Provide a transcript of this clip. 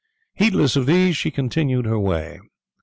Heedless of these she continued her way.